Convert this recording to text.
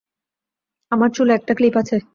আমার চুলে একটা ক্লিপ আছে।